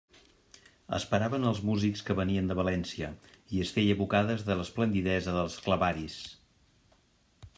Esperaven els músics que venien de València, i es feia bocades de l'esplendidesa dels clavaris.